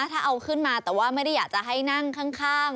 ถ้าเอาขึ้นมาแต่ว่าไม่ได้อยากจะให้นั่งข้าง